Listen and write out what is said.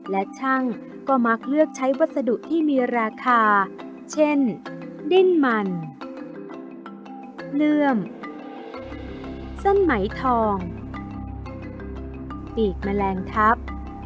และช่างก็มักเลือกใช้วัสดุที่มีราคาเช่นดิ้นมันเลื่อมเส้นไหมทองปีกแมลงทัพ